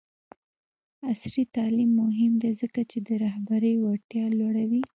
عصري تعلیم مهم دی ځکه چې د رهبرۍ وړتیا لوړوي.